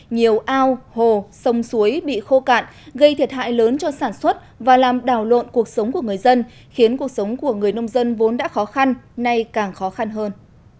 nhiều ao hồ sông suối bị khô cạn gây thiệt hại lớn cho sản xuất và làm đảo lộn cuộc sống của người dân khiến cuộc sống của người nông dân vốn đã khó khăn nay càng khó khăn hơn